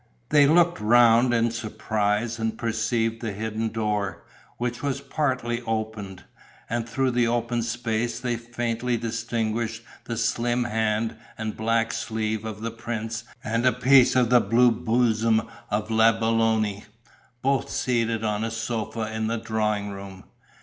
They looked round in surprise and perceived the hidden door, which was partly open, and through the open space they faintly distinguished the slim hand and black sleeve of the prince and a piece of the blue bosom of la Belloni, both seated on a sofa in the drawing room.